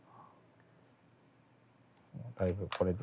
だいぶこれで。